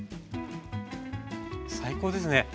最高ですね。